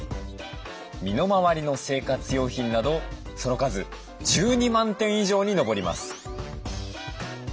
身の回りの生活用品などその数１２万点以上に上ります。